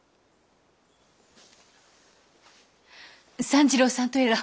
三次郎さんとやら。